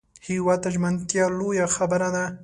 هېواد ته ژمنتیا لویه خبره ده